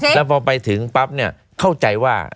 แล้วพอไปถึงปั๊บเนี่ยเข้าใจว่า